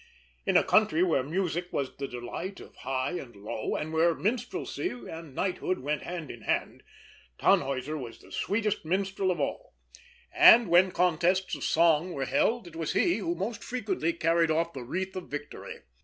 In a country where music was the delight of high and low, and where minstrelsy and knighthood went hand in hand, Tannhäuser was the sweetest minstrel of all; and when contests of song were held, it was he who most frequently carried off the wreath of victory.